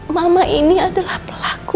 mama ini adalah pelaku